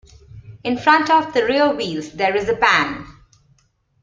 In front of the rear wheels, there is a "pan".